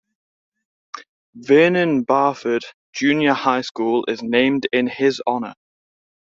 Vernon Barford Junior High School is named in his honour.